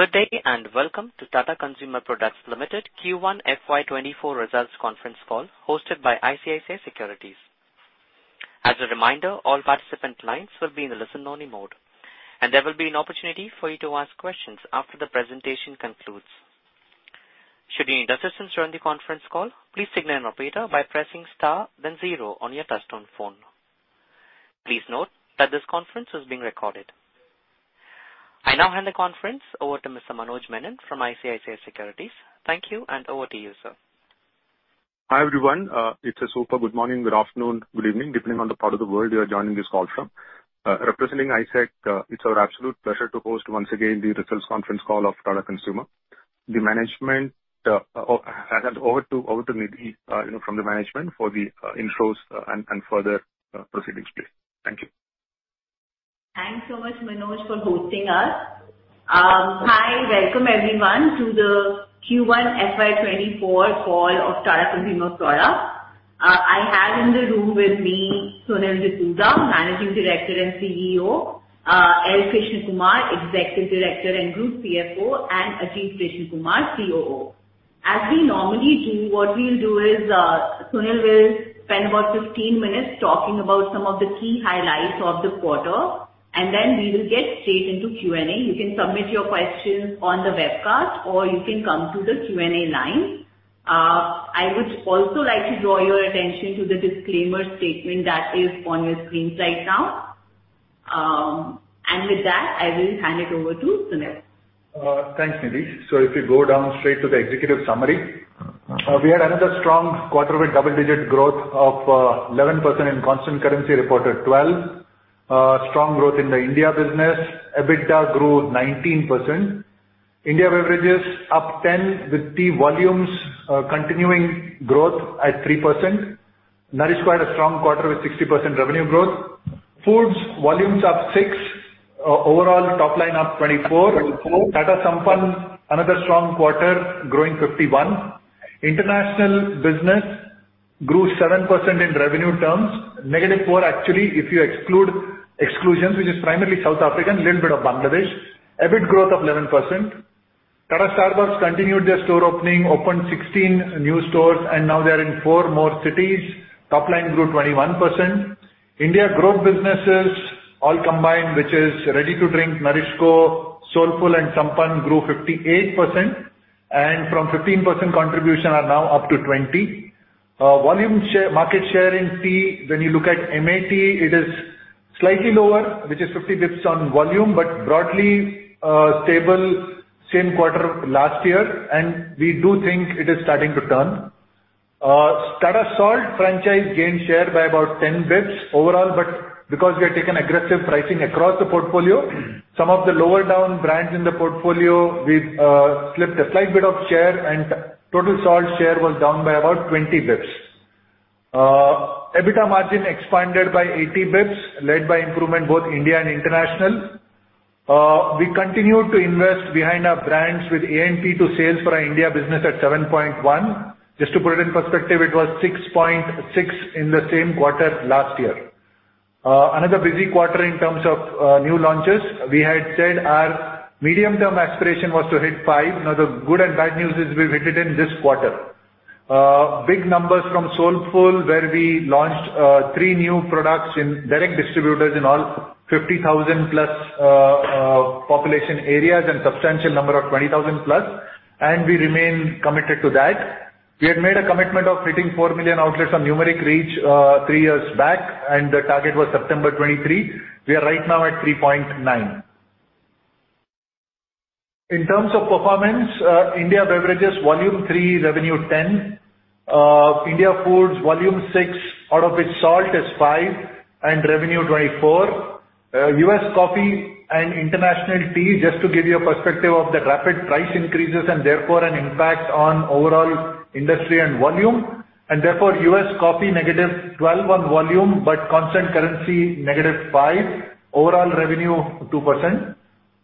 Good day, welcome to Tata Consumer Products Limited Q1 FY 2024 results conference call, hosted by ICICI Securities. As a reminder, all participant lines will be in the listen-only mode, there will be an opportunity for you to ask questions after the presentation concludes. Should you need assistance during the conference call, please signal an operator by pressing star then zero on your touchtone phone. Please note that this conference is being recorded. I now hand the conference over to Mr. Manoj Menon from ICICI Securities. Thank you, over to you, sir. Hi, everyone. It's a super good morning, good afternoon, good evening, depending on the part of the world you are joining this call from. Representing ICICI, it's our absolute pleasure to host once again the results conference call of Tata Consumer. The management, I hand over to Nidhi, you know, from the management for the intros and further proceedings, please. Thank you. Thanks so much, Manoj, for hosting us. Hi, welcome everyone to the Q1 FY 2024 call of Tata Consumer Products. I have in the room with me Sunil D'Souza, Managing Director and CEO, L. Krishnakumar, Executive Director and Group CFO, and Ajit Krishnakumar, COO. As we normally do, what we'll do is, Sunil will spend about 15 minutes talking about some of the key highlights of the quarter, and then we will get straight into Q&A. You can submit your questions on the webcast, or you can come to the Q&A line. I would also like to draw your attention to the disclaimer statement that is on your screens right now. With that, I will hand it over to Sunil. Thanks, Nidhi. If you go down straight to the executive summary, we had another strong quarter with double-digit growth of 11% in constant currency, reported 12%. Strong growth in the India business. EBITDA grew 19%. India beverages up 10%, with the volumes, continuing growth at 3%. Nourish quite a strong quarter with 60% revenue growth. Foods, volumes up 6%, overall top line up 24%. Tata Sampann, another strong quarter, growing 51%. International business grew 7% in revenue terms, -4%, actually, if you exclude exclusions, which is primarily South African, little bit of Bangladesh. EBIT growth of 11%. Tata Starbucks continued their store opening, opened 16 new stores, and now they are in 4 more cities. Topline grew 21%. India growth businesses all combined, which is ready to drink, NourishCo, Soulfull and Sampann grew 58%, and from 15% contribution are now up to 20. Volume share, market share in tea, when you look at MAT, it is slightly lower, which is 50 bps on volume, but broadly stable, same quarter last year, and we do think it is starting to turn. Tata Salt franchise gained share by about 10 bps overall, but because we have taken aggressive pricing across the portfolio, some of the lower down brands in the portfolio, we slipped a slight bit of share, and total salt share was down by about 20 bps. EBITDA margin expanded by 80 bps, led by improvement both India and international. We continued to invest behind our brands with A&P to sales for our India business at 7.1. Just to put it in perspective, it was 6.6% in the same quarter last year. Another busy quarter in terms of new launches. We had said our medium-term aspiration was to hit 5%. The good and bad news is we've hit it in this quarter. Big numbers from Soulfull, where we launched 3 new products in direct distributors in all 50,000-plus population areas and substantial number of 20,000-plus, and we remain committed to that. We had made a commitment of hitting 4 million outlets on numeric reach, 3 years back, and the target was September 2023. We are right now at 3.9%. In terms of performance, India beverages, volume 3%, revenue 10%. India foods, volume 6%, out of which salt is 5%, and revenue 24%. U.S. coffee and international tea, just to give you a perspective of the rapid price increases and therefore an impact on overall industry and volume, and therefore, U.S. coffee -12 on volume, but constant currency -5, overall revenue 2%.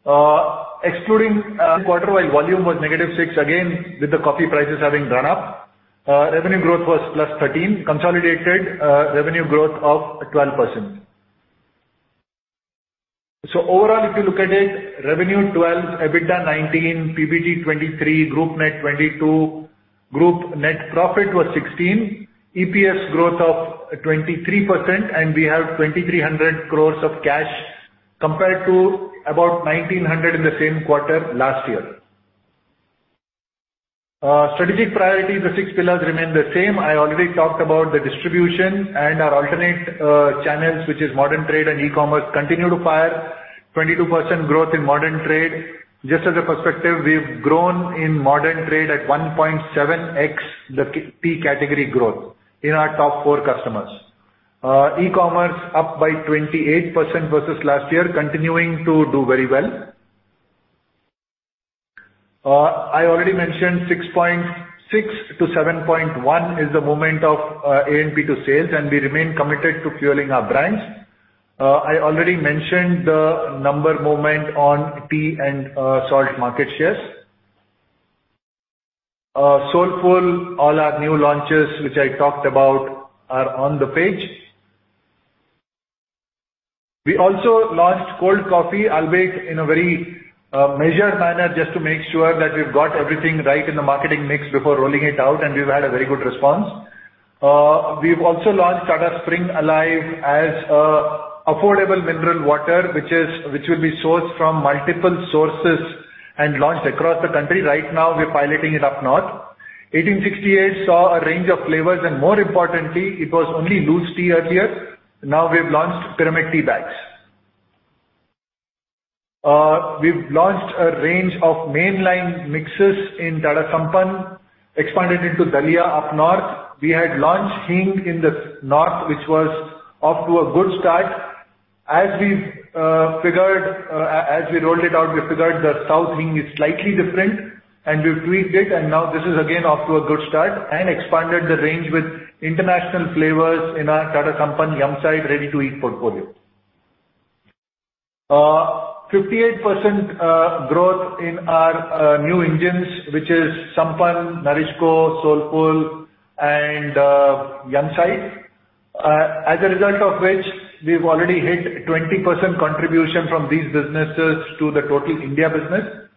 While volume was -6, again, with the coffee prices having gone up, revenue growth was +13, consolidated revenue growth of 12%. Overall, if you look at it, revenue 12%, EBITDA 19%, PBT 23%, group net 22%, group net profit was 16%, EPS growth of 23%, and we have 2,300 crores of cash compared to about 1,900 crores in the same quarter last year. Strategic priorities, the 6 pillars remain the same. I already talked about the distribution and our alternate channels, which is modern trade and e-commerce, continue to fire. 22% growth in modern trade. Just as a perspective, we've grown in modern trade at 1.7x the category growth in our top 4 customers. E-commerce up by 28% versus last year, continuing to do very well. I already mentioned 6.6%-7.1% is the moment of A&P to sales, and we remain committed to fueling our brands. I already mentioned the number moment on tea and salt market shares. Soulfull, all our new launches, which I talked about, are on the page. We also launched Cold Coffee, albeit in a very measured manner, just to make sure that we've got everything right in the marketing mix before rolling it out, and we've had a very good response. We've also launched Tata Spring Alive as a affordable mineral water, which will be sourced from multiple sources and launched across the country. Right now, we're piloting it up north. 1868 saw a range of flavors. More importantly, it was only loose tea earlier. Now we've launched pyramid tea bags. We've launched a range of mainline mixes in Tata Sampann, expanded into Dalia up north. We had launched Hing in the north, which was off to a good start. As we rolled it out, we figured the south Hing is slightly different, and we've tweaked it, and now this is again off to a good start, and expanded the range with international flavors in our Tata Sampann Yumside ready-to-eat portfolio. 58% growth in our new engines, which is Sampann, NourishCo, Soulfull, and Yumside. As a result of which, we've already hit 20% contribution from these businesses to the total India business.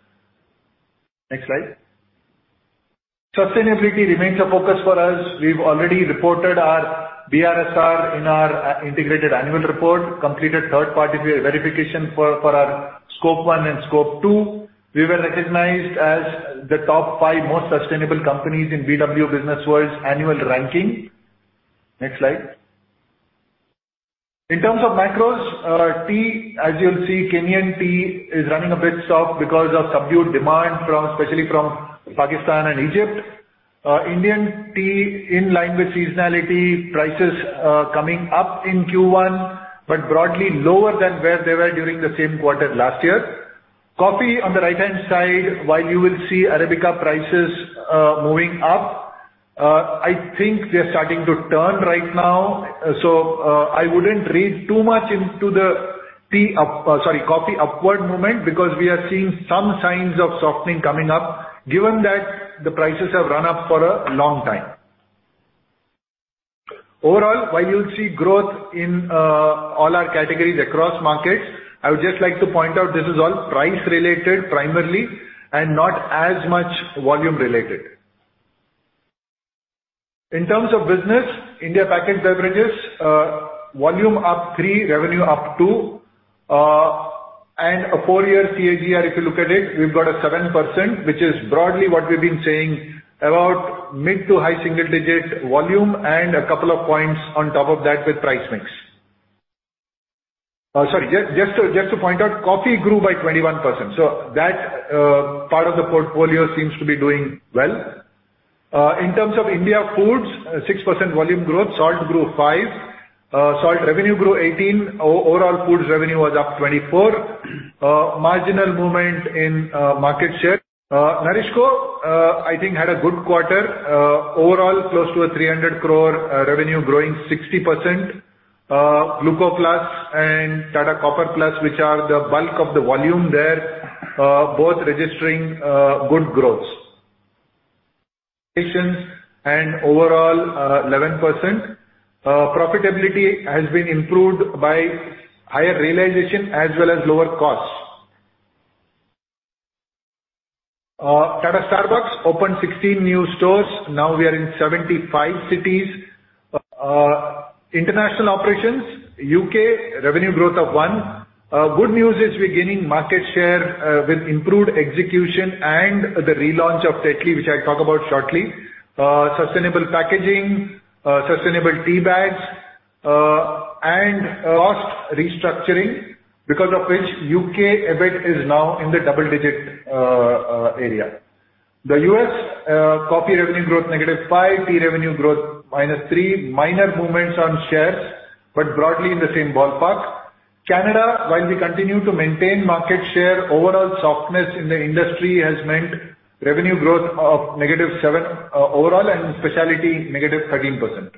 Next slide. Sustainability remains a focus for us. We've already reported our BRSR in our integrated annual report, completed third-party verification for our Scope 1 and Scope 2. We were recognized as the top 5 most sustainable companies in BW Businessworld's annual ranking. Next slide. In terms of macros, tea, as you'll see, Kenyan tea is running a bit soft because of subdued demand from, especially from Pakistan and Egypt. Indian tea, in line with seasonality, prices, coming up in Q1, but broadly lower than where they were during the same quarter last year. Coffee, on the right-hand side, while you will see Arabica prices moving up, I think they are starting to turn right now. I wouldn't read too much into the tea up, sorry, coffee upward movement because we are seeing some signs of softening coming up, given that the prices have run up for a long time. Overall, while you'll see growth in all our categories across markets, I would just like to point out this is all price related primarily and not as much volume related. In terms of business, India packaged beverages, volume up 3%, revenue up 2%. A full year CAGR, if you look at it, we've got a 7%, which is broadly what we've been saying about mid to high single-digit volume and a couple of points on top of that with price mix. Sorry, just to point out, coffee grew by 21%, so that part of the portfolio seems to be doing well. In terms of India foods, 6% volume growth. Salt grew 5%, salt revenue grew 18%. Overall, foods revenue was up 24%. Marginal movement in market share. NourishCo, I think, had a good quarter. Overall, close to a 300 crores revenue growing 60%. Gluco+, and Tata Copper+, which are the bulk of the volume there, both registering good growths. Overall, 11% profitability has been improved by higher realization as well as lower costs. Tata Starbucks opened 16 new stores. Now we are in 75 cities. International operations, UK, revenue growth of 1%. Good news is we're gaining market share with improved execution and the relaunch of Tetley, which I'll talk about shortly. Sustainable packaging, sustainable teabags, and cost restructuring, because of which U.K. EBIT is now in the double-digit area. The U.S. coffee revenue growth, -5%, tea revenue growth, -3%. Minor movements on shares, broadly in the same ballpark. Canada, while we continue to maintain market share, overall softness in the industry has meant revenue growth of -7% overall, and speciality, -13%.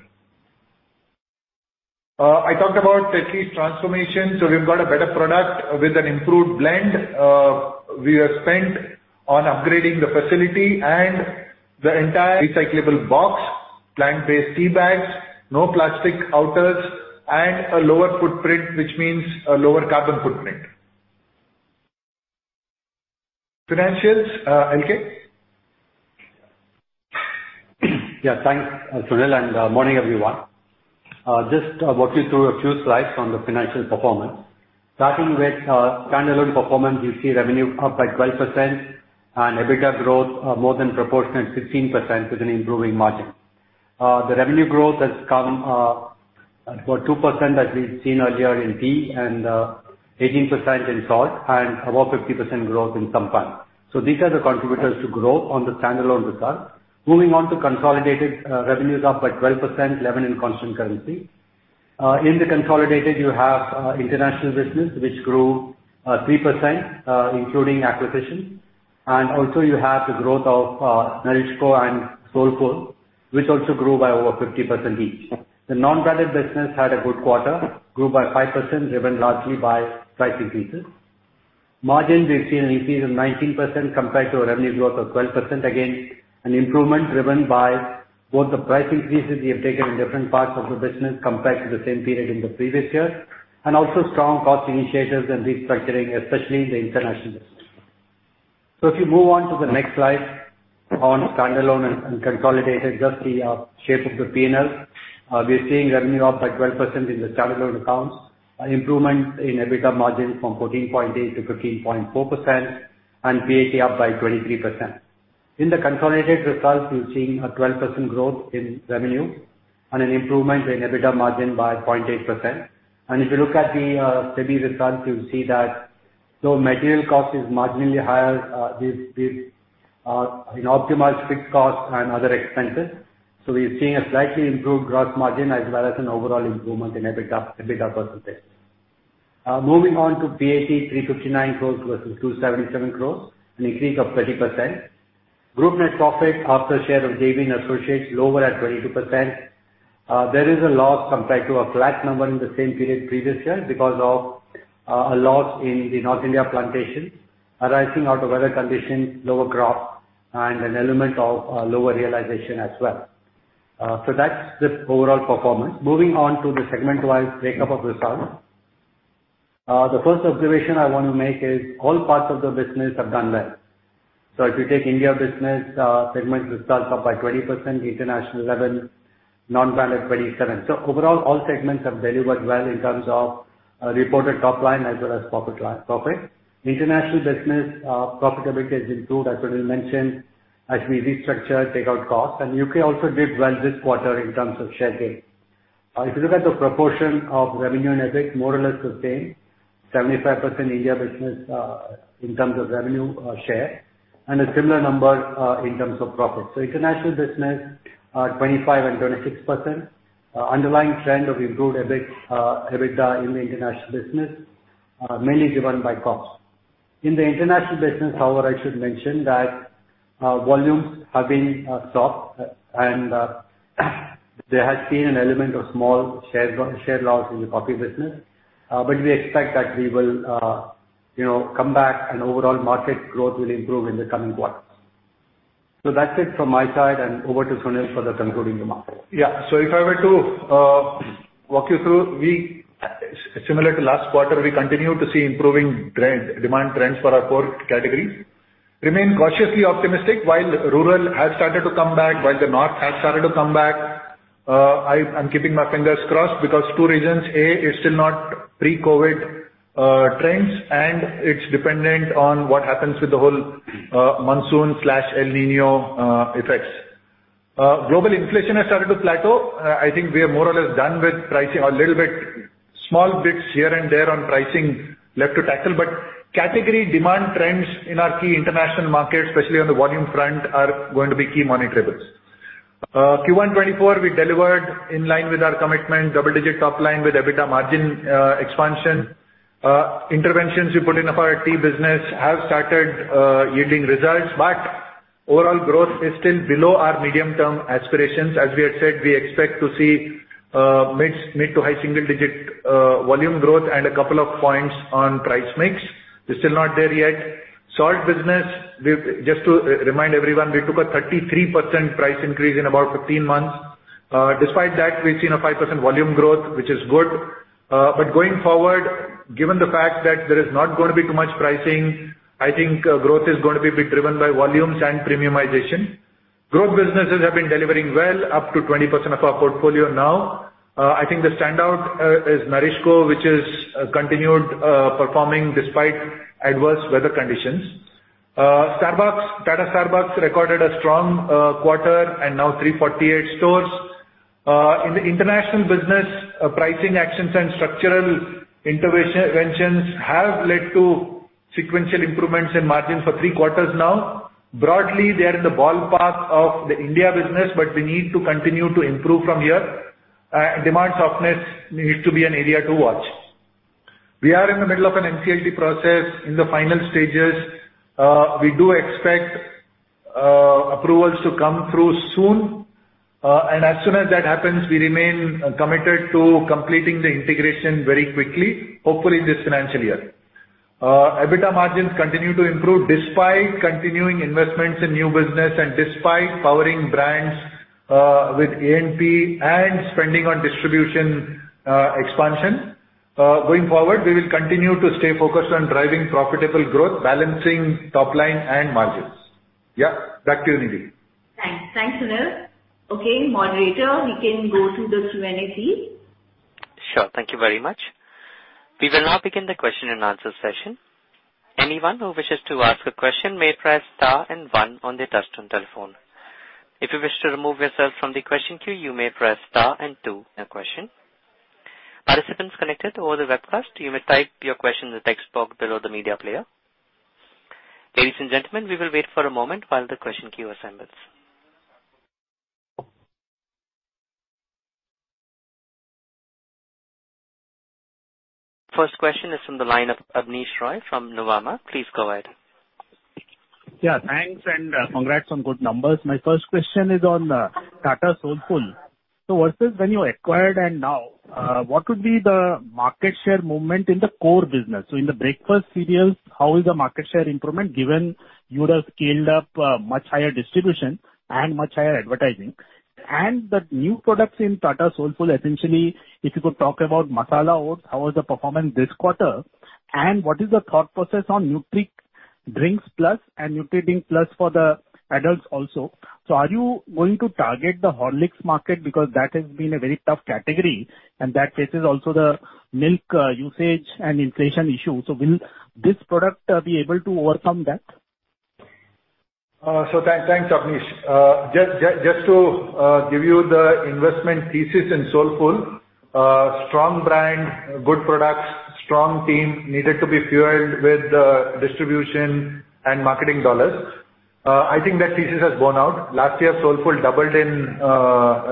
I talked about Tetley's transformation, we've got a better product with an improved blend. We have spent on upgrading the facility and the entire recyclable box, plant-based tea bags, no plastic outers, and a lower footprint, which means a lower carbon footprint. Financials, LK? Yeah, thanks, Sunil, and morning, everyone. Just walk you through a few slides on the financial performance. Starting with standalone performance, you see revenue up by 12% and EBITDA growth, more than proportionate 15% with an improving margin. The revenue growth has come about 2%, as we've seen earlier, in tea, 18% in salt, and about 50% growth in Sampann. These are the contributors to growth on the standalone result. Moving on to consolidated, revenues are up by 12%, 11% in constant currency. In the consolidated, you have international business, which grew 3%, including acquisition, and also you have the growth of NourishCo and Soulfull, which also grew by over 50% each. The non-branded business had a good quarter, grew by 5%, driven largely by price increases. Margins, we've seen an increase of 19% compared to a revenue growth of 12%, an improvement driven by both the price increases we have taken in different parts of the business compared to the same period in the previous year, and also strong cost initiatives and restructuring, especially in the international business. If you move on to the next slide on standalone and consolidated, just the shape of the P&L. We are seeing revenue up by 12% in the standalone accounts, an improvement in EBITDA margins from 14.8% to 15.4%, and PAT up by 23%. In the consolidated results, we're seeing a 12% growth in revenue and an improvement in EBITDA margin by 0.8%. If you look at the semi-results, you'll see that though material cost is marginally higher, we've optimized fixed costs and other expenses. We're seeing a slightly improved growth margin as well as an overall improvement in EBITDA percentage. Moving on to PAT 359 growth versus 277 growth, an increase of 30%. Group net profit after share of JV and associates, lower at 22%. There is a loss compared to a flat number in the same period previous year because of a loss in the North India plantation, arising out of weather conditions, lower crop, and an element of lower realization as well. That's the overall performance. Moving on to the segment-wise breakup of results. The first observation I want to make is all parts of the business have done well. If you take India business, segment results up by 20%, international 11%, non-branded 27%. Overall, all segments have delivered well in terms of reported top line as well as profit line, profit. International business profitability has improved, as Sunil mentioned, as we restructure, take out costs, and UK also did well this quarter in terms of share gain. If you look at the proportion of revenue and EBIT, more or less sustained, 75% India business, in terms of revenue, share, and a similar number, in terms of profit. International business, 25% and 26%. Underlying trend of improved EBIT, EBITDA in the international business, mainly driven by costs. In the international business, however, I should mention that volumes have been soft, and there has been an element of small share loss in the coffee business. We expect that we will, you know, come back, and overall market growth will improve in the coming quarters. That's it from my side, and over to Sunil for the concluding remarks. If I were to walk you through, we similar to last quarter, we continue to see improving trend, demand trends for our core categories. Remain cautiously optimistic, while rural has started to come back, while the north has started to come back, I'm keeping my fingers crossed because two reasons: A, it's still not pre-COVID trends, and it's dependent on what happens with the whole monsoon/El Niño effects. Global inflation has started to plateau. I think we are more or less done with pricing, a little bit, small bits here and there on pricing left to tackle, category demand trends in our key international markets, especially on the volume front, are going to be key monitorables. Q1 2024, we delivered in line with our commitment, double-digit top line with EBITDA margin expansion. Interventions we put in for our tea business have started yielding results, overall growth is still below our medium-term aspirations. As we had said, we expect to see mid to high single digit volume growth and a couple of points on price mix. We're still not there yet. Salt business, just to remind everyone, we took a 33% price increase in about 15 months. Despite that, we've seen a 5% volume growth, which is good. Going forward, given the fact that there is not going to be too much pricing, I think growth is going to be driven by volumes and premiumization. Growth businesses have been delivering well, up to 20% of our portfolio now. I think the standout is NourishCo, which has continued performing despite adverse weather conditions. Tata Starbucks recorded a strong quarter and now 348 stores. In the international business, pricing actions and structural interventions have led to sequential improvements in margin for three quarters now. Broadly, they are in the ballpark of the India business, we need to continue to improve from here. Demand softness needs to be an area to watch. We are in the middle of an NCLT process, in the final stages. We do expect approvals to come through soon. As soon as that happens, we remain committed to completing the integration very quickly, hopefully this financial year. EBITDA margins continue to improve despite continuing investments in new business and despite powering brands with A&P and spending on distribution expansion. Going forward, we will continue to stay focused on driving profitable growth, balancing top line and margins. Yeah, back to you, Nidhi. Thanks. Thanks, Sunil. Okay, moderator, we can go to the Q&A please. Sure. Thank you very much. We will now begin the question and answer session. Anyone who wishes to ask a question may press star and one on their touch-tone telephone. If you wish to remove yourself from the question queue, you may press star and two. Participants connected over the webcast, you may type your question in the text box below the media player. Ladies and gentlemen, we will wait for a moment while the question queue assembles. First question is from the line of Abneesh Roy from Nuvama. Please go ahead. Yeah, thanks, and congrats on good numbers. My first question is on Tata Soulfull. Versus when you acquired and now, what would be the market share movement in the core business? In the breakfast cereals, how is the market share improvement, given you'd have scaled up much higher distribution and much higher advertising? The new products in Tata Soulfull, essentially, if you could talk about masala oats, how was the performance this quarter? What is the thought process on Nutri Drinks Plus and NutriDrink Plus for the adults also? Are you going to target the Horlicks market? Because that has been a very tough category, and that faces also the milk usage and inflation issue. Will this product be able to overcome that? Thanks, Avnish. Just to give you the investment thesis in Soulfull, strong brand, good products, strong team, needed to be fueled with distribution and marketing dollars. I think that thesis has borne out. Last year, Soulfull doubled in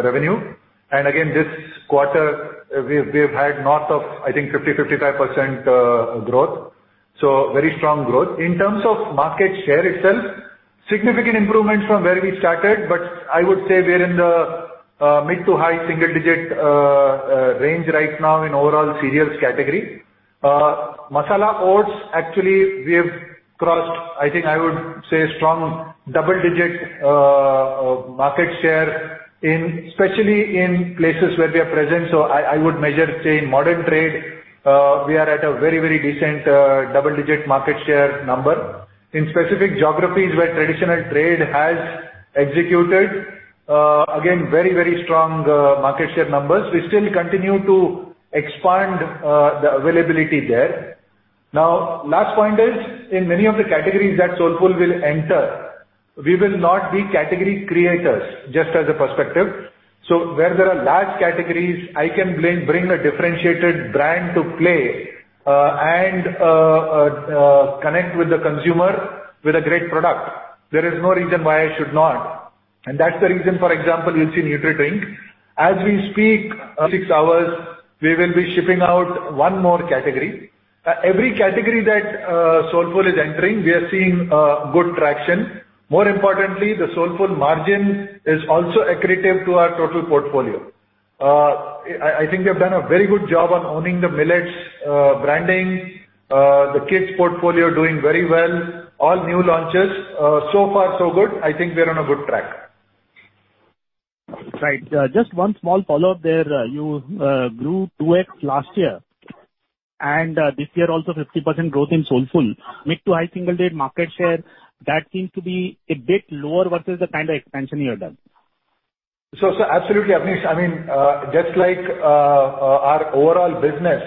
revenue, and again, this quarter, we've had north of, I think, 50%-55% growth, so very strong growth. In terms of market share itself, significant improvement from where we started, but I would say we're in the mid to high single digit range right now in overall cereals category. Masala oats, actually, we have crossed, I think I would say, strong double-digit market share in, especially in places where we are present. I would measure, say, in modern trade, we are at a very, very decent double-digit market share number. In specific geographies where traditional trade has executed, again, very, very strong market share numbers. We still continue to expand the availability there. Last point is, in many of the categories that Soulfull will enter, we will not be category creators, just as a perspective. Where there are large categories, I can bring a differentiated brand to play and connect with the consumer with a great product. There is no reason why I should not. That's the reason, for example, you'll see NutriDrink. As we speak, 6 hours, we will be shipping out one more category. Every category that Soulfull is entering, we are seeing good traction. More importantly, the Soulfull margin is also accretive to our total portfolio. I think we've done a very good job on owning the millets', branding, the kids' portfolio doing very well, all new launches. So far so good. I think we're on a good track. Right. Just one small follow-up there. You grew 2x last year, and, this year, also 50% growth in Soulfull. Mid to high single digit market share, that seems to be a bit lower versus the kind of expansion you have done. So absolutely, Avnish. I mean, just like our overall business,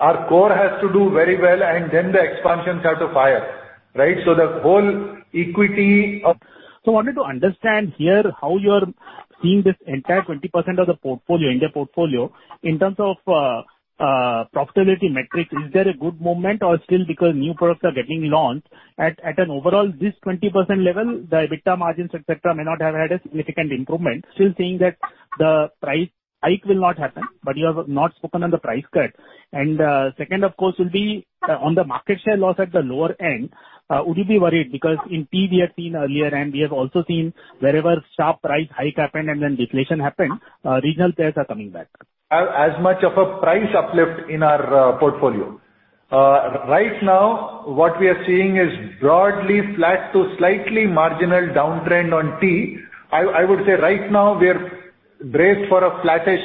our core has to do very well, and then the expansions have to fire, right? The whole equity. I wanted to understand here, how you're seeing this entire 20% of the portfolio, India portfolio, in terms of profitability metrics. Is there a good movement or still because new products are getting launched at an overall this 20% level, the EBITDA margins, et cetera, may not have had a significant improvement, still saying that the price hike will not happen, but you have not spoken on the price cut? Second, of course, will be on the market share loss at the lower end, would you be worried? Because in tea, we have seen earlier, and we have also seen wherever sharp price hike happened and then deflation happened, regional players are coming back. As much of a price uplift in our portfolio. Right now, what we are seeing is broadly flat to slightly marginal downtrend on tea. I would say right now, we are braced for a flattish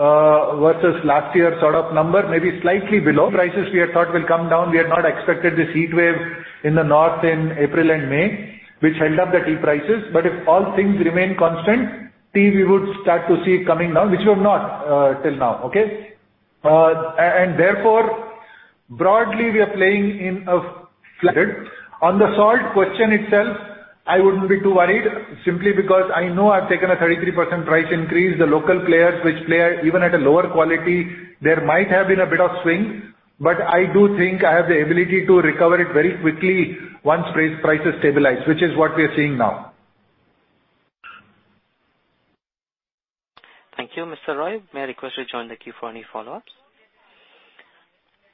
versus last year sort of number, maybe slightly below. Prices we had thought will come down, we had not expected this heatwave in the north in April and May, which held up the tea prices. If all things remain constant, tea, we would start to see it coming down, which we have not till now, okay? Therefore, broadly, we are playing in a flat. On the salt question itself, I wouldn't be too worried, simply because I know I've taken a 33% price increase. The local players which play even at a lower quality, there might have been a bit of swing, but I do think I have the ability to recover it very quickly once price is stabilized, which is what we are seeing now. Thank you, Mr. Roy. May I request you to join the queue for any follow-ups?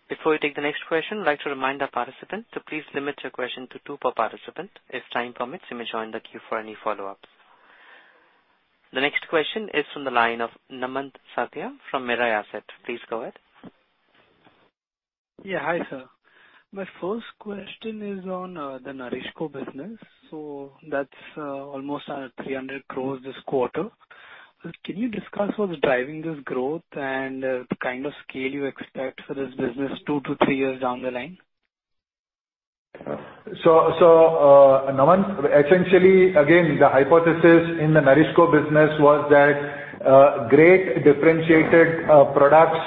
Before we take the next question, I'd like to remind our participants to please limit your question to two per participant. If time permits, you may join the queue for any follow-ups. The next question is from the line of Naman Shah from Mirae Asset. Please go ahead. Yeah. Hi, sir. My first question is on the NourishCo business. That's almost 300 crore this quarter. Can you discuss what's driving this growth and the kind of scale you expect for this business two to three years down the line? Namand, essentially, again, the hypothesis in the NourishCo business was that great differentiated products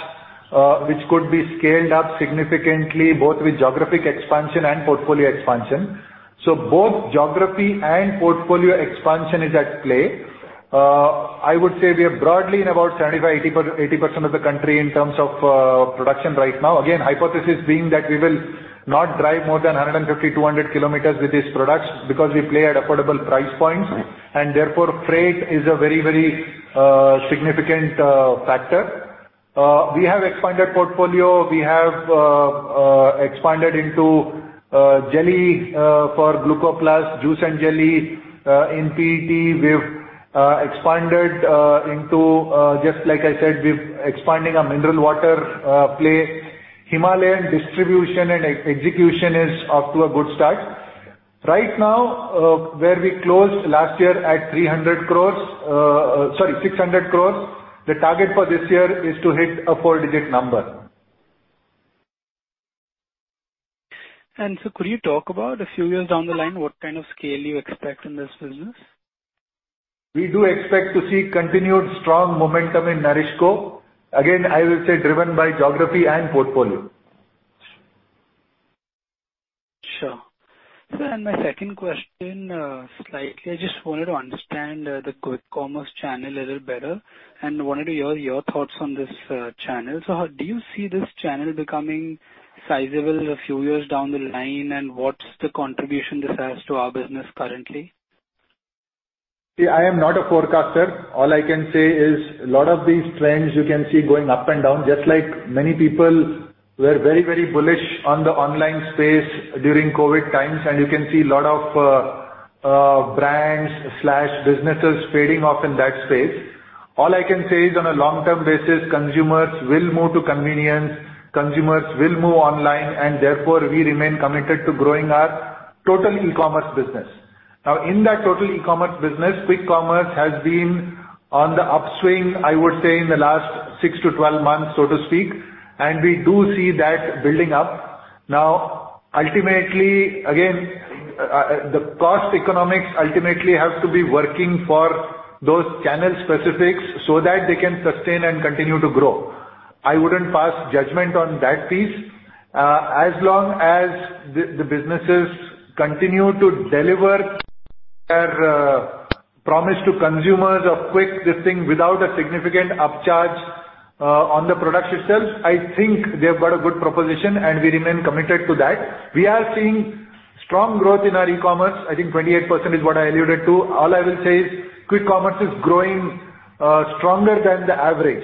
which could be scaled up significantly, both with geographic expansion and portfolio expansion. Both geography and portfolio expansion is at play. I would say we are broadly in about 75, 80% of the country in terms of production right now. Again, hypothesis being that we will not drive more than 150, 200 kilometers with these products, because we play at affordable price points, and therefore, freight is a very, very significant factor. We have expanded portfolio. We have expanded into jelly for Gluco+, juice and jelly. In PET, we've expanded into just like I said, we're expanding our mineral water play. Himalayan distribution and execution is off to a good start. Right now, where we closed last year at 300 crores, sorry, 600 crores, the target for this year is to hit a four-digit number. Could you talk about a few years down the line, what kind of scale you expect in this business? We do expect to see continued strong momentum in NourishCo. Again, I will say driven by geography and portfolio. Sure. Sir, my second question, slightly, I just wanted to understand the quick commerce channel a little better, and wanted to hear your thoughts on this channel. How do you see this channel becoming sizable a few years down the line, and what's the contribution this has to our business currently? See, I am not a forecaster. All I can say is a lot of these trends you can see going up and down, just like many people were very, very bullish on the online space during COVID times, and you can see a lot of brands/businesses fading off in that space. All I can say is, on a long-term basis, consumers will move to convenience, consumers will move online, and therefore we remain committed to growing our total e-commerce business. Now, in that total e-commerce business, quick commerce has been on the upswing, I would say, in the last 6 to 12 months, so to speak, and we do see that building up. Now, ultimately, again, the cost economics ultimately have to be working for those channel specifics so that they can sustain and continue to grow. I wouldn't pass judgment on that piece. As long as the businesses continue to deliver their promise to consumers of quick this thing without a significant upcharge on the products itself, I think they have got a good proposition, and we remain committed to that. We are seeing strong growth in our e-commerce. I think 28% is what I alluded to. All I will say is quick commerce is growing stronger than the average,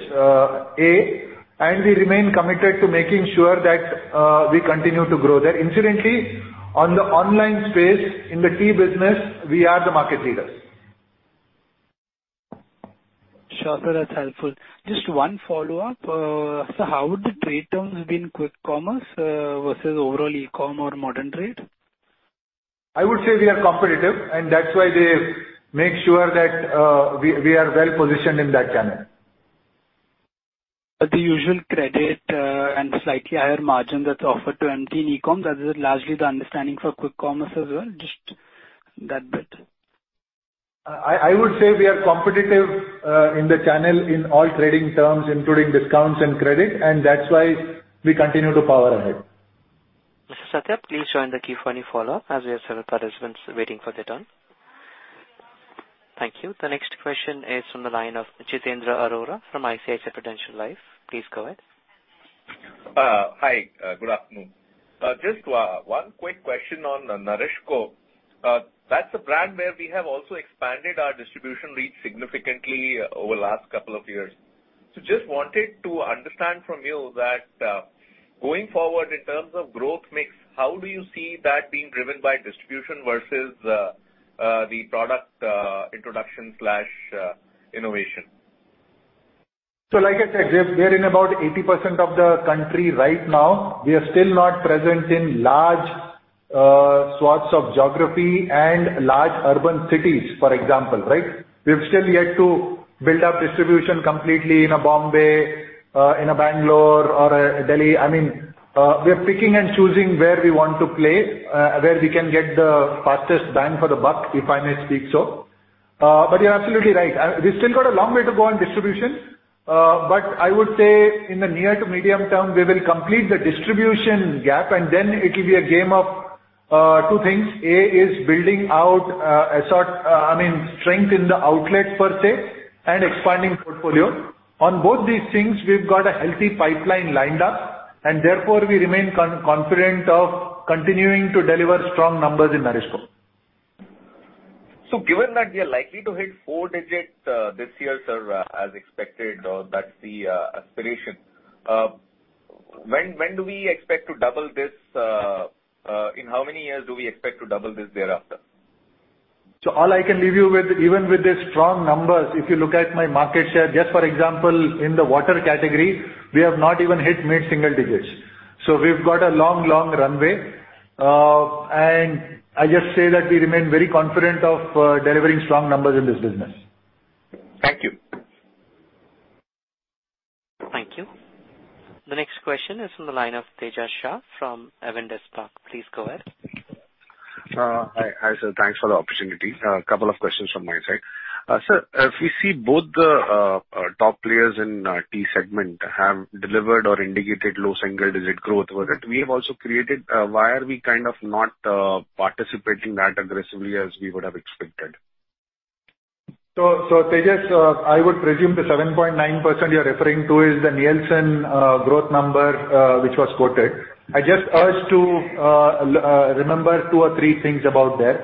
and we remain committed to making sure that we continue to grow there. Incidentally, on the online space, in the tea business, we are the market leaders. Sure, sir, that's helpful. Just one follow-up. How would the trade terms be in quick commerce, versus overall e-com or modern trade? I would say we are competitive, and that's why they make sure that, we are well positioned in that channel. The usual credit, and slightly higher margin that's offered to MT in e-com, that is largely the understanding for quick commerce as well? Just that bit. I would say we are competitive, in the channel in all trading terms, including discounts and credit, and that's why we continue to power ahead. Mr. Satyajeet, please join the queue for any follow-up, as we have several participants waiting for their turn. Thank you. The next question is from the line of Jitendra Arora from ICICI Prudential Life. Please go ahead. Hi, good afternoon. Just one quick question on NourishCo. That's a brand where we have also expanded our distribution reach significantly over the last couple of years. Just wanted to understand from you that, going forward, in terms of growth mix, how do you see that being driven by distribution versus, the product introduction slash innovation? Like I said, we're in about 80% of the country right now. We are still not present in large swaths of geography and large urban cities, for example, right? We've still yet to build up distribution completely in a Bombay, in a Bangalore or a Delhi. I mean, we are picking and choosing where we want to play, where we can get the fastest bang for the buck, if I may speak so. You're absolutely right. We've still got a long way to go on distribution, I would say in the near to medium term, we will complete the distribution gap, and then it will be a game of two things. A, is building out, I mean, strength in the outlet per se, and expanding portfolio. On both these things, we've got a healthy pipeline lined up, and therefore we remain confident of continuing to deliver strong numbers in NourishCo. Given that we are likely to hit four digit, this year, sir, as expected, or that's the aspiration, when do we expect to double this, in how many years do we expect to double this thereafter? All I can leave you with, even with the strong numbers, if you look at my market share, just for example, in the water category, we have not even hit mid-single digits. We've got a long, long runway. I just say that we remain very confident of delivering strong numbers in this business. Thank you. Thank you. The next question is from the line of Tejash Shah from Avendus Spark. Please go ahead. Hi. Hi, sir. Thanks for the opportunity. A couple of questions from my side. Sir, if we see both the top players in tea segment have delivered or indicated low single-digit growth over it, we have also created, why are we kind of not participating that aggressively as we would have expected? Tejas, I would presume the 7.9% you're referring to is the Nielsen growth number which was quoted. I just urge to remember two or three things about that.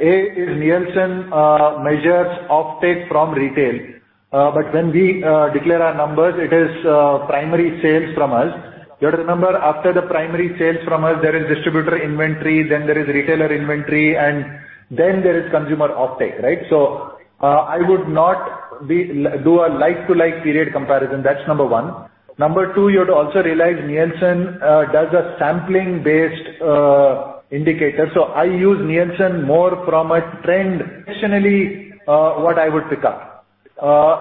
A, is Nielsen measures offtake from retail, but when we declare our numbers, it is primary sales from us. You have to remember, after the primary sales from us, there is distributor inventory, then there is retailer inventory, and then there is consumer offtake, right? I would not do a like-to-like period comparison, that's number 1. Number 2, you have to also realize Nielsen does a sampling-based indicator. I use Nielsen more from a trend, additionally, what I would pick up.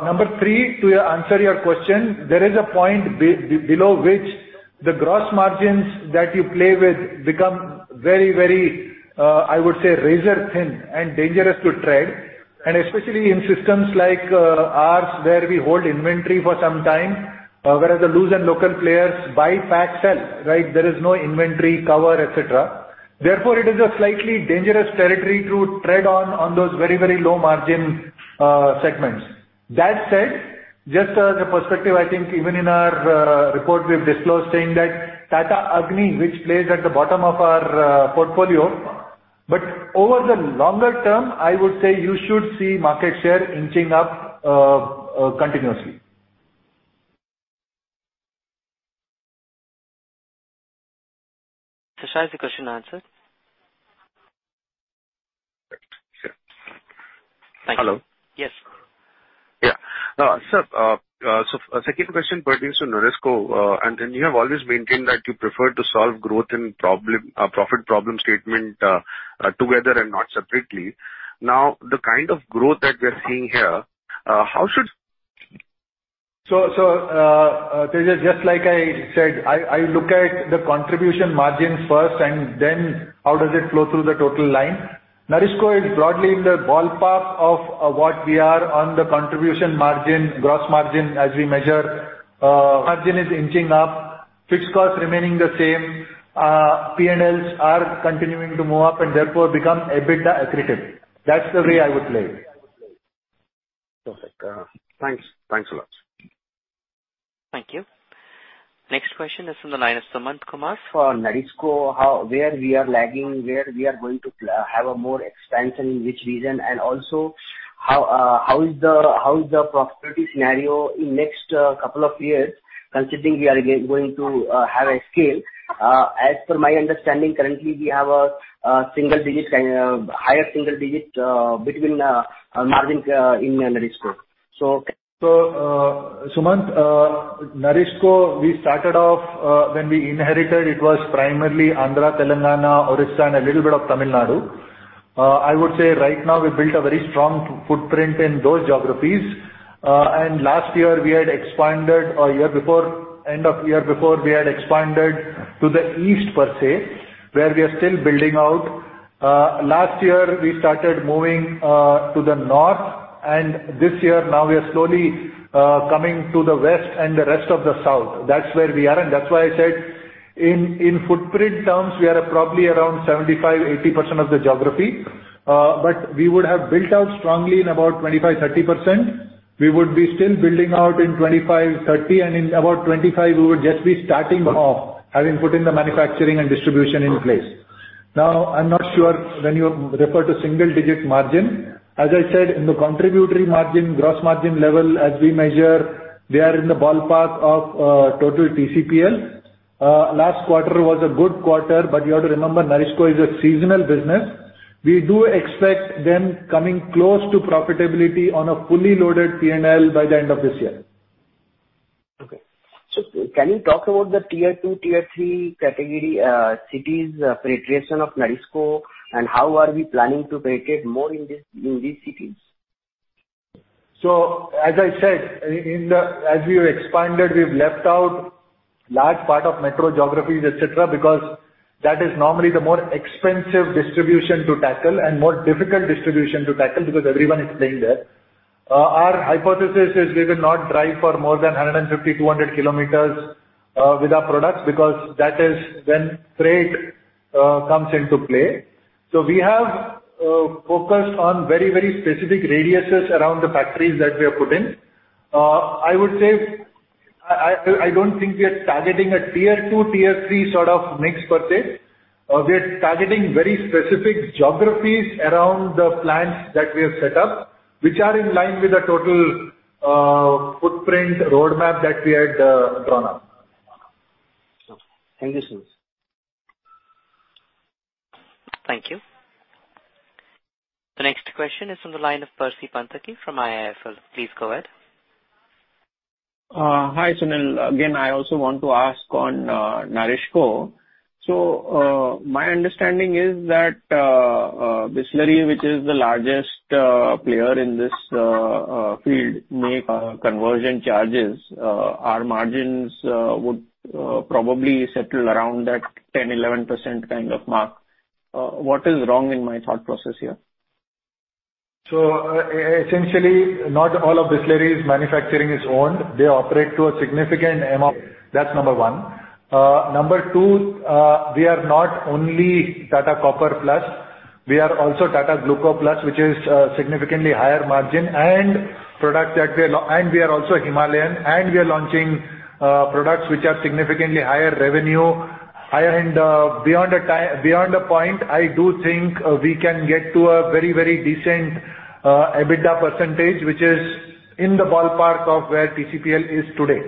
Number three, to answer your question, there is a point below which the gross margins that you play with become very, I would say, razor thin and dangerous to tread, and especially in systems like ours, where we hold inventory for some time, whereas the loose and local players buy, pack, sell, right? There is no inventory cover, et cetera. It is a slightly dangerous territory to tread on those very low margin, segments. That said, just as a perspective, I think even in our report, we've disclosed saying that Tata Agni, which plays at the bottom of our portfolio, but over the longer term, I would say you should see market share inching up continuously. Is the question answered? Sure. Thank you. Hello? Yes. Yeah. Sir, second question pertains to NourishCo, you have always maintained that you prefer to solve growth and problem, profit problem statement, together and not separately. The kind of growth that we are seeing here, how should- Tejas, just like I said, I look at the contribution margins first, and then how does it flow through the total line. NourishCo is broadly in the ballpark of what we are on the contribution margin, gross margin, as we measure. Margin is inching up, fixed costs remaining the same, P&Ls are continuing to move up and therefore become EBITDA accretive. That's the way I would play it. Perfect. Thanks a lot. Thank you. Next question is from the line of Sumant Kumar. For NourishCo, how, where we are lagging, where we are going to have a more expansion, in which region? Also, how is the profitability scenario in next couple of years, considering we are again going to have a scale? As per my understanding, currently, we have a single digit, higher single digit, between margin in NourishCo. Sumanth, NourishCo, we started off when we inherited, it was primarily Andhra, Telangana, Orissa, and a little bit of Tamil Nadu. I would say right now we've built a very strong footprint in those geographies. Last year, we had expanded, or year before, end of year before, we had expanded to the east, per se, where we are still building out. Last year, we started moving to the north, this year, now we are slowly coming to the west and the rest of the south. That's where we are, that's why I said in footprint terms, we are probably around 75-80% of the geography, we would have built out strongly in about 25-30%. We would be still building out in 25, 30, and in about 25, we would just be starting off, having put in the manufacturing and distribution in place. I'm not sure when you refer to single-digit margin. As I said, in the contributory margin, gross margin level, as we measure, they are in the ballpark of total TCPL. Last quarter was a good quarter, you have to remember, NourishCo is a seasonal business. We do expect them coming close to profitability on a fully loaded P&L by the end of this year. Okay. can you talk about the tier two, tier three category, cities, penetration of NourishCo, and how are we planning to penetrate more in this, in these cities? As I said, as we expanded, we've left out large part of metro geographies, et cetera, because that is normally the more expensive distribution to tackle and more difficult distribution to tackle because everyone is playing there. Our hypothesis is we will not drive for more than 150-200 kilometers with our products, because that is when freight comes into play. We have focused on very, very specific radiuses around the factories that we have put in. I would say, I don't think we are targeting a tier two, tier three sort of mix per se. We are targeting very specific geographies around the plants that we have set up, which are in line with the total footprint roadmap that we had drawn up. Thank you, Sunil. Thank you. The next question is from the line of Percy Panthaki from IIFL. Please go ahead. Hi, Sunil. Again, I also want to ask on NourishCo. My understanding is that Bisleri, which is the largest player in this field, make conversion charges, our margins would probably settle around that 10-11% kind of mark. What is wrong in my thought process here? Essentially, not all of Bisleri's manufacturing is owned. They operate to a significant M.O., that's number 1. Number 2, we are not only Tata Copper+, we are also Tata Gluco+, which is significantly higher margin and product that we are and we are also Himalayan, and we are launching products which are significantly higher revenue, higher and beyond a point, I do think we can get to a very, very decent EBITDA %, which is in the ballpark of where TCPL is today.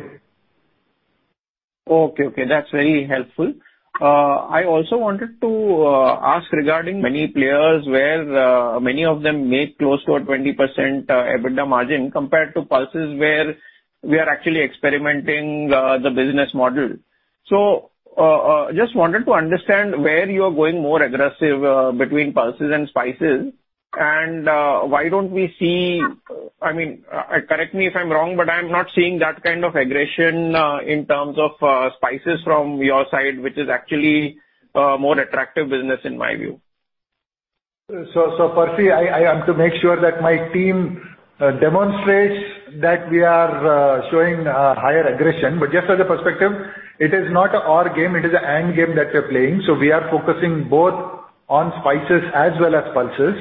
Okay, that's very helpful. I also wanted to ask regarding many players where many of them make close to a 20% EBITDA margin compared to pulses, where we are actually experimenting the business model. just wanted to understand where you are going more aggressive between pulses and spices, and I mean, correct me if I'm wrong, but I'm not seeing that kind of aggression in terms of spices from your side, which is actually more attractive business in my view. Percy, I have to make sure that my team demonstrates that we are showing higher aggression. Just as a perspective, it is not a or game, it is an and game that we're playing. We are focusing both on spices as well as pulses.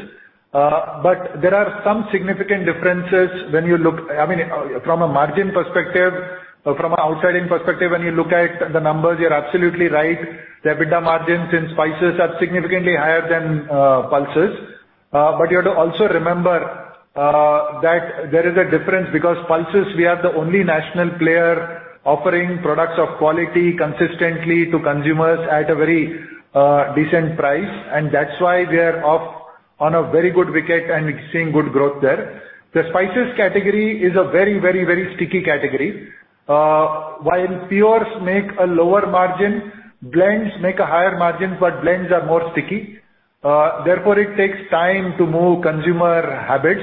There are some significant differences when you look. I mean, from a margin perspective, from an outside-in perspective, when you look at the numbers, you're absolutely right. The EBITDA margins in spices are significantly higher than pulses. You have to also remember that there is a difference, because pulses, we are the only national player offering products of quality consistently to consumers at a very decent price, and that's why we are off on a very good wicket, and we're seeing good growth there. The spices category is a very, very, very sticky category. While pure make a lower margin, blends make a higher margin, but blends are more sticky. Therefore, it takes time to move consumer habits.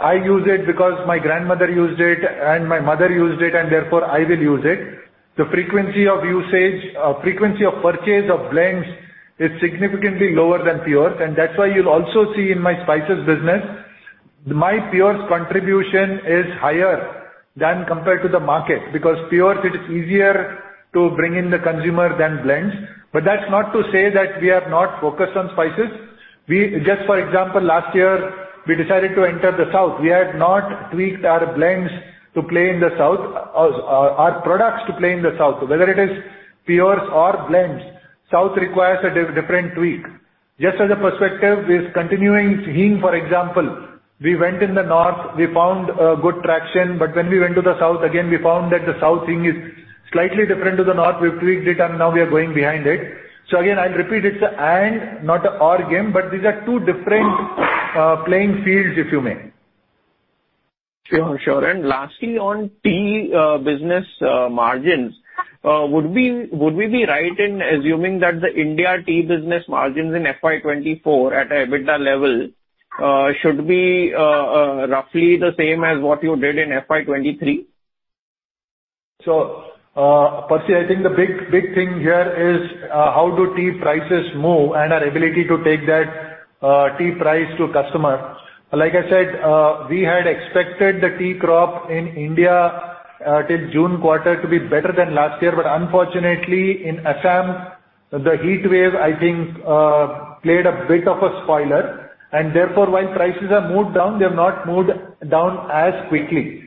I use it because my grandmother used it, and my mother used it, and therefore, I will use it. The frequency of usage, frequency of purchase of blends is significantly lower than pure, and that's why you'll also see in my spices business, my pure contribution is higher than compared to the market, because pure, it is easier to bring in the consumer than blends. That's not to say that we are not focused on spices. Just for example, last year, we decided to enter the south. We had not tweaked our blends to play in the south, our products to play in the south. Whether it is pure or blends, south requires a different tweak. Just as a perspective, with continuing Hing, for example, we went in the north, we found good traction, but when we went to the south, again, we found that the south Hing is slightly different to the north. We've tweaked it, and now we are going behind it. Again, I'll repeat, it's a and not a or game, but these are two different playing fields, if you may. Sure, sure. Lastly, on tea, business, margins, would we be right in assuming that the India tea business margins in FY 2024 at a EBITDA level, should be, roughly the same as what you did in FY 2023? Percy, I think the big thing here is how do tea prices move and our ability to take that tea price to customer. Like I said, we had expected the tea crop in India till June quarter to be better than last year, unfortunately, in Assam, the heat wave, I think, played a bit of a spoiler, therefore, while prices are moved down, they have not moved down as quickly.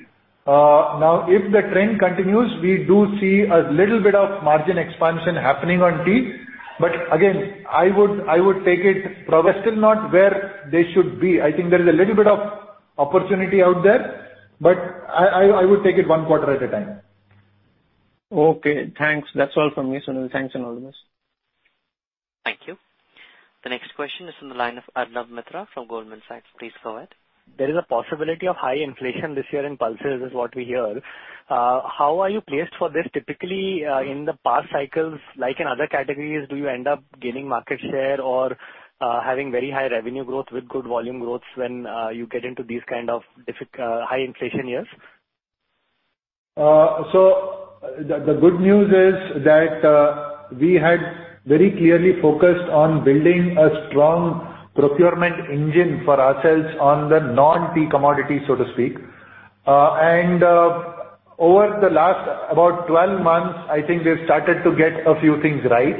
If the trend continues, we do see a little bit of margin expansion happening on tea, again, I would take it. We're still not where they should be. I think there is a little bit of opportunity out there, I would take it one quarter at a time. Okay, thanks. That's all from me, Sunil. Thanks and all the best. Thank you. The next question is from the line of Arnab Mitra from Goldman Sachs. Please go ahead. There is a possibility of high inflation this year in pulses, is what we hear. How are you placed for this? Typically, in the past cycles, like in other categories, do you end up gaining market share or, having very high revenue growth with good volume growth when, you get into these kind of high inflation years? The good news is that we had very clearly focused on building a strong procurement engine for ourselves on the non-tea commodities, so to speak. Over the last about 12 months, I think we've started to get a few things right,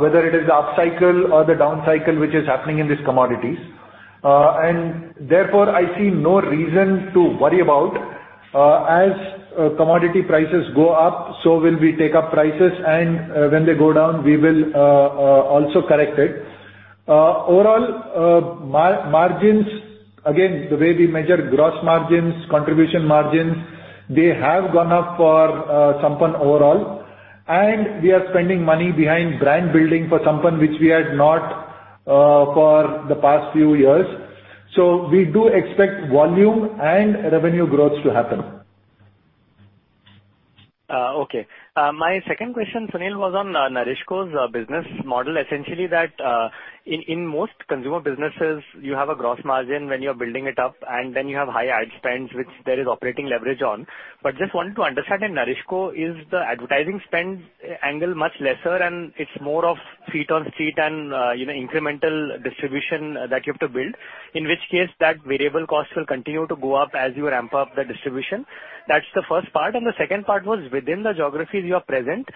whether it is the upcycle or the downcycle, which is happening in these commodities. Therefore, I see no reason to worry about. As commodity prices go up, so will we take up prices, and when they go down, we will also correct it. Overall, margins, again, the way we measure gross margins, contribution margins, they have gone up for Sampann overall, and we are spending money behind brand building for Sampann, which we had not for the past few years. We do expect volume and revenue growth to happen. Okay. My second question, Sunil, was on NourishCo's business model. Essentially, that in most consumer businesses, you have a gross margin when you're building it up, and then you have high ad spends, which there is operating leverage on. Just wanted to understand, in NourishCo, is the advertising spend angle much lesser, and it's more of feet on street and, you know, incremental distribution that you have to build, in which case, that variable cost will continue to go up as you ramp up the distribution? That's the first part, and the second part was within the geographies you are present,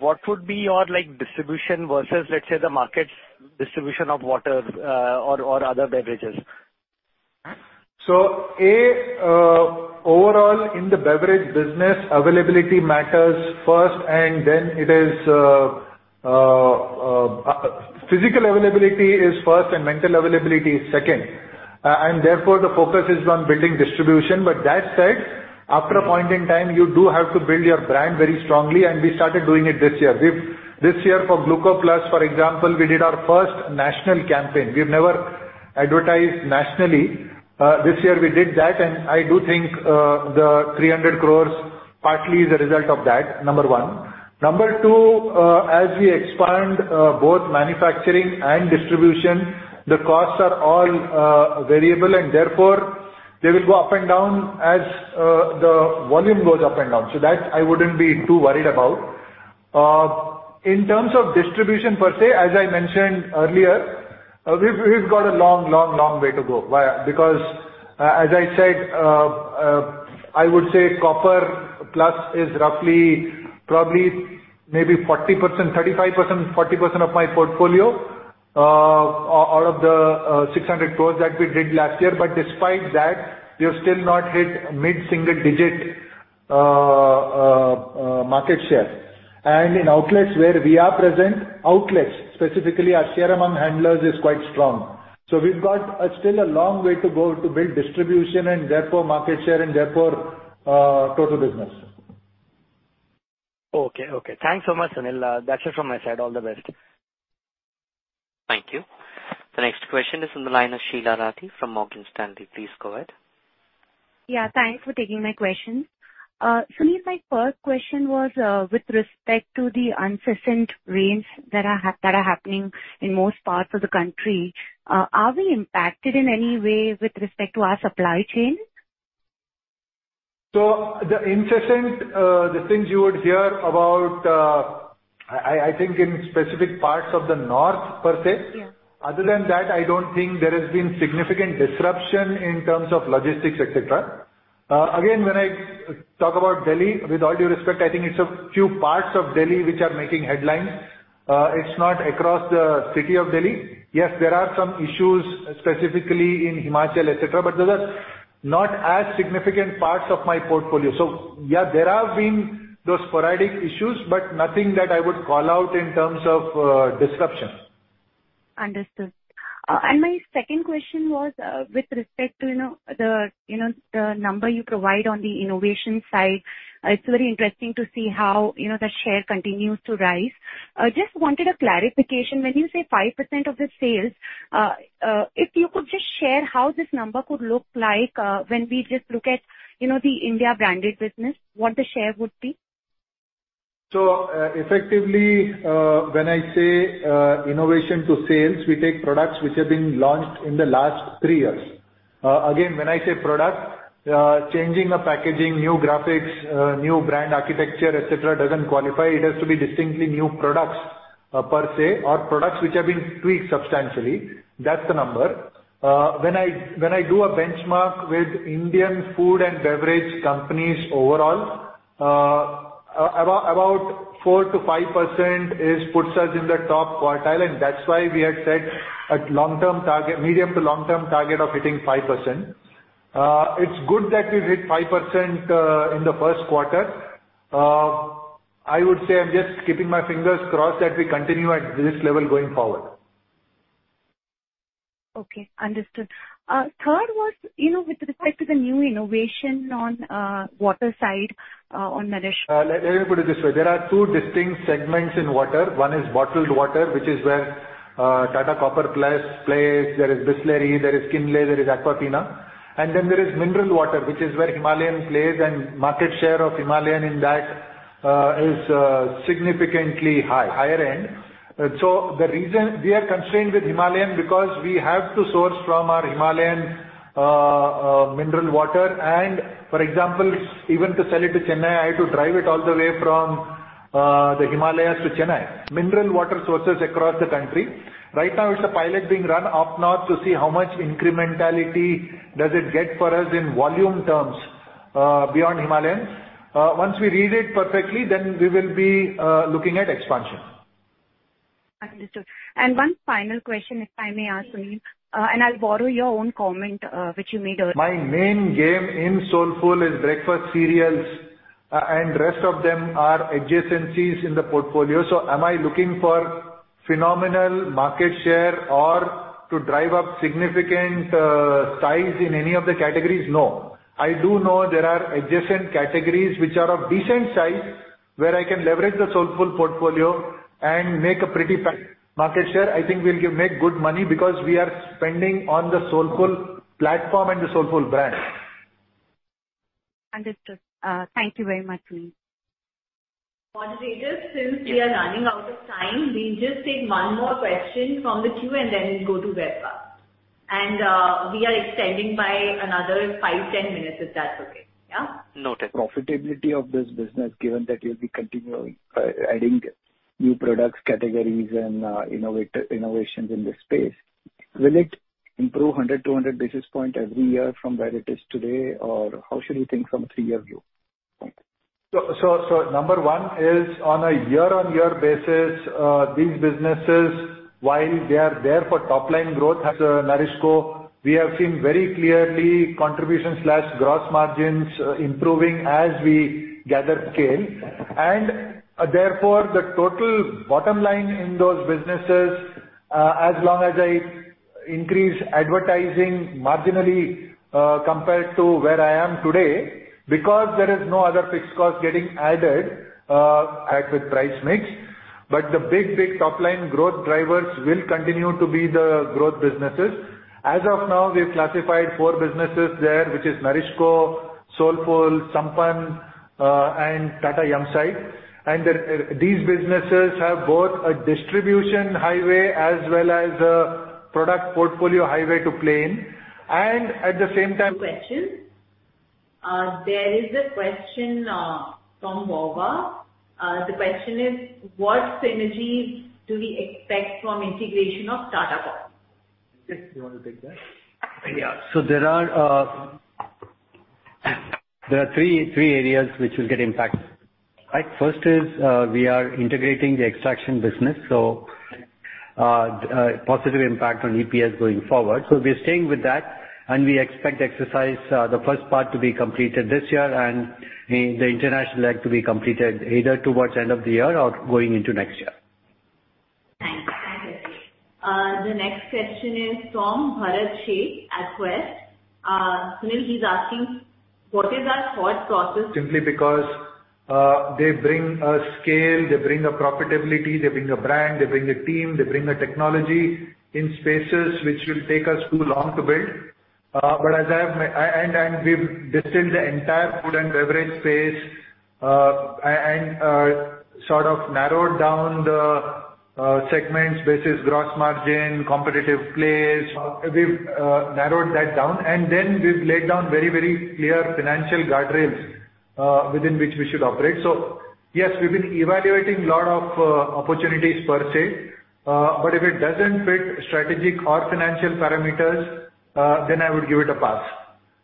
what would be your, like, distribution versus, let's say, the market share?... distribution of water, or other beverages? A, overall, in the beverage business, availability matters first, and then it is physical availability is first and mental availability is second. And therefore, the focus is on building distribution. That said, after a point in time, you do have to build your brand very strongly, and we started doing it this year. This year for Gluco+, for example, we did our first national campaign. We've never advertised nationally. This year we did that, and I do think, the 300 crores partly is a result of that, number one. Number two, as we expand, both manufacturing and distribution, the costs are all variable, and therefore, they will go up and down as the volume goes up and down. That I wouldn't be too worried about. In terms of distribution per se, as I mentioned earlier, we've got a long way to go. Why? Because, as I said, I would say Copper+ is roughly, probably, maybe 40%, 35%, 40% of my portfolio, out of the 600 crores that we did last year. Despite that, we have still not hit mid-single digit market share. In outlets where we are present, outlets, specifically, our share among handlers is quite strong. We've got a still a long way to go to build distribution, and therefore, market share, and therefore, total business. Okay. Okay. Thanks so much, Sunil. That's it from my side. All the best. Thank you. The next question is from the line of Sheela Rathi from Morgan Stanley. Please go ahead. Thanks for taking my question. Sunil, my first question was with respect to the incessant rains that are happening in most parts of the country, are we impacted in any way with respect to our supply chain? The incessant, the things you would hear about, I think in specific parts of the north per se. Yeah. Other than that, I don't think there has been significant disruption in terms of logistics, et cetera. Again, when I talk about Delhi, with all due respect, I think it's a few parts of Delhi which are making headlines. It's not across the city of Delhi. Yes, there are some issues specifically in Himachal, et cetera, but those are not as significant parts of my portfolio. Yeah, there have been those sporadic issues, but nothing that I would call out in terms of disruption. Understood. My second question was with respect to, you know, the, you know, the number you provide on the innovation side. It's very interesting to see how, you know, the share continues to rise. Just wanted a clarification. When you say 5% of the sales, if you could just share how this number could look like, when we just look at, you know, the India branded business, what the share would be? Effectively, when I say innovation to sales, we take products which are being launched in the last three years. Again, when I say product, changing a packaging, new graphics, new brand architecture, et cetera, doesn't qualify. It has to be distinctly new products, per se, or products which have been tweaked substantially. That's the number. When I do a benchmark with Indian food and beverage companies overall, about 4% to 5% is puts us in the top quartile, and that's why we had set a long-term target, medium to long-term target of hitting 5%. It's good that we've hit 5% in the Q1. I would say I'm just keeping my fingers crossed that we continue at this level going forward. Okay, understood. Third was, you know, with respect to the new innovation on water side, on Madesh. Let me put it this way. There are two distinct segments in water. One is bottled water, which is where Tata Copper+ plays. There is Bisleri, there is Kinley, there is Aquafina. Then there is mineral water, which is where Himalayan plays, and market share of Himalayan in that is significantly high, higher end. The reason we are constrained with Himalayan, because we have to source from our Himalayan mineral water. For example, even to sell it to Chennai, I have to drive it all the way from the Himalayas to Chennai. Mineral water sources across the country. Right now, it's a pilot being run up north to see how much incrementality does it get for us in volume terms beyond Himalayan. Once we read it perfectly, then we will be looking at expansion. Understood. And one final question, if I may ask, Sunil, and I'll borrow your own comment, which you made. My main game in Soulfull is breakfast cereals, and rest of them are adjacencies in the portfolio. Am I looking for phenomenal market share or to drive up significant size in any of the categories? No. I do know there are adjacent categories which are of decent size, where I can leverage the Soulfull portfolio and make a pretty fat market share. I think we'll make good money because we are spending on the Soulfull platform and the Soulfull brand. Understood. Thank you very much, Sunil. Moderator, since we are running out of time, we'll just take one more question from the queue, and then we'll go to Vepa. We are extending by another five, 10 minutes, if that's okay. Yeah? Noted. Profitability of this business, given that you'll be continuing, adding new products, categories, and innovations in this space, will it improve 100 to 200 basis point every year from where it is today? Or how should we think from a three-year view? Thanks. Number one is on a year-on-year basis, these businesses, while they are there for top line growth, as NourishCo, we have seen very clearly contribution/gross margins improving as we gather scale. Therefore, the total bottom line in those businesses, as long as I increase advertising marginally, compared to where I am today, because there is no other fixed cost getting added, as with price mix. The big top line growth drivers will continue to be the growth businesses. As of now, we've classified four businesses there, which is NourishCo, Soulfull, Sampann, and Tata Sampann Yumside. These businesses have both a distribution highway as well as a product portfolio highway to play in. At the same time. Question. There is a question from Kunal Vora. The question is: What synergies do we expect from integration of Tata Coffee? Yes, you want to take that? There are three areas which will get impacted, right? First is, we are integrating the extraction business, so positive impact on EPS going forward. We are staying with that, and we expect to exercise, the first part to be completed this year and the international leg to be completed either towards end of the year or going into next year. Thanks. The next question is from Bharat Sheth at Quest. Sunil, he's asking: What is our thought process- Simply because they bring a scale, they bring a profitability, they bring a brand, they bring a team, they bring a technology in spaces which will take us too long to build. As I have and we've distilled the entire food and beverage space, and sort of narrowed down the segments versus gross margin, competitive place. We've narrowed that down, and then we've laid down very, very clear financial guardrails within which we should operate. Yes, we've been evaluating a lot of opportunities per se, but if it doesn't fit strategic or financial parameters, then I would give it a pass.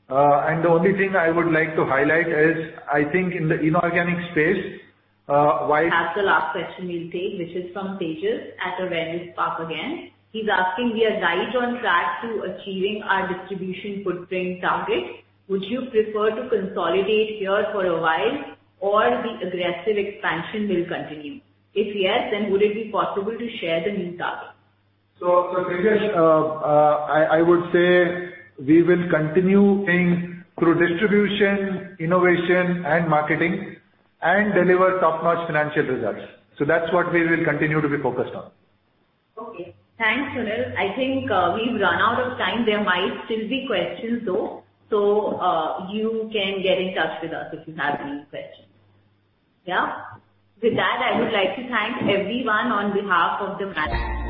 The only thing I would like to highlight is, I think in the inorganic space, while- I have the last question we'll take, which is from Tejas at Avendus Spark again. He's asking: We are right on track to achieving our distribution footprint target. Would you prefer to consolidate here for a while, or the aggressive expansion will continue? If yes, then would it be possible to share the new target? Tejas, I would say we will continue things through distribution, innovation, and marketing, and deliver top-notch financial results. That's what we will continue to be focused on. Okay. Thanks, Sunil. I think, we've run out of time. There might still be questions, though, so, you can get in touch with us if you have any questions. Yeah. With that, I would like to thank everyone on behalf of the management.